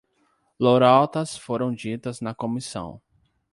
Lorotas foram ditas na comissão